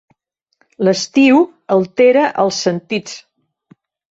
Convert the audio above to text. L'estiu altera els sentits.